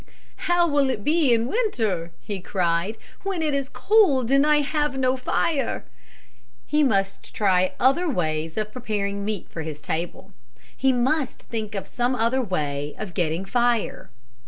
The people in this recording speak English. "How will it be in winter," he cried, "when it is cold, and I have no fire?" He must try other ways of preparing meat for his table. He must think of some other way of getting fire.